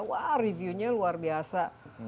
wah reviewnya luar biasa